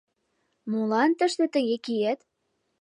Молан тыште тыге киет?